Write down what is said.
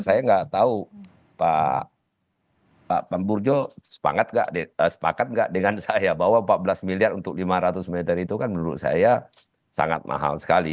saya nggak tahu pak burjo sepakat nggak dengan saya bahwa empat belas miliar untuk lima ratus meter itu kan menurut saya sangat mahal sekali